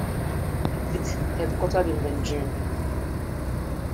It is headquartered in Beijing.